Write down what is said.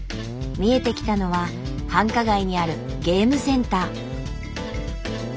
見えてきたのは繁華街にあるゲームセンター。